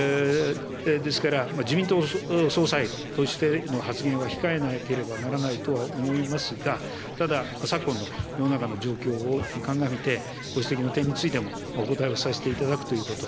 ですから、自民党総裁としての発言は控えなければならないとは思いますが、ただ、昨今の世の中の状況を鑑みて、ご指摘の点についてもお答えをさせていただくということ。